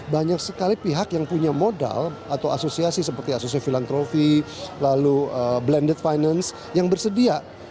banyak sekali pihak yang punya modal atau asosiasi seperti asosiasi filantrofi lalu blended finance yang bersedia